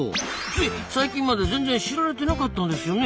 つい最近まで全然知られてなかったんですよね？